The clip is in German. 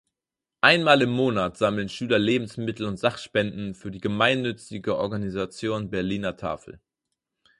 Einmal im Monat sammeln Schüler Lebensmittel und Sachspenden für die gemeinnützige Organisation "Berliner Tafel".